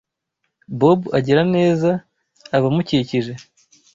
Bob agira neza abamukikije.